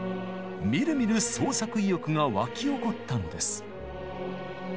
みるみる創作意欲が湧き起こったのです。